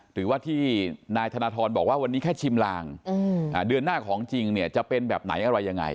หรือว่าที่นายธนทรบอกว่าวันนี้แค่ชิมลางเดือนหน้าของจริงเนี่ยจะเป็นแบบไหนอะไรยังไง